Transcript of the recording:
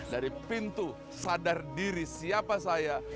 dari pintu sadar diri siapa saya